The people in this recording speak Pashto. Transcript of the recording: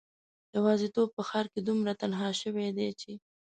یوازیتوب په ښار کې دومره تنها شوی دی چې